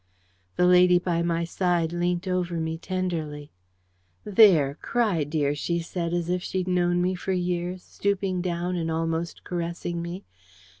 The lady by my side leant over me tenderly. "There cry, dear," she said, as if she'd known me for years, stooping down and almost caressing me.